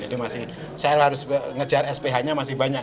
jadi masih saya harus ngejar sph nya masih banyak